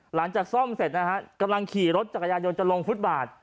หลังจากซ่อมเสร็จนะฮะกำลังขี่รถจักรยานยนต์จะลงฟุตบาท